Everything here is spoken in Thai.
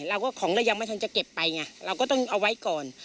ของเรายังไม่ทันจะเก็บไปไงเราก็ต้องเอาไว้ก่อน